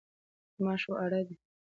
ماش واړه دي.